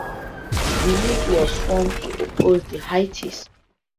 The league was formed to oppose the Hittites.